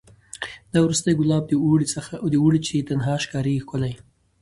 دا وروستی ګلاب د اوړي چي تنها ښکاریږي ښکلی